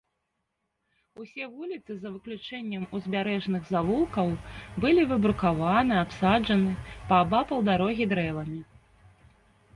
Усе вуліцы, за выключэннем узбярэжных завулкаў, былі выбрукаваны, абсаджаны паабапал дарогі дрэвамі.